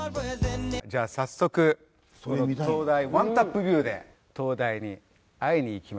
じゃあ早速その灯台ＯＮＥタップビューで灯台に会いに行きましょう。